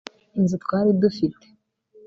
inzu twari dufite